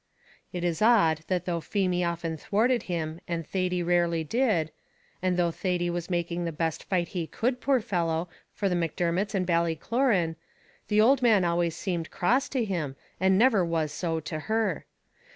It is odd that though Feemy often thwarted him and Thady rarely did, and though Thady was making the best fight he could, poor fellow, for the Macdermots and Ballycloran, the old man always seemed cross to him, and never was so to her.